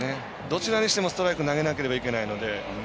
どちらにしてもストライク投げなければいけないので。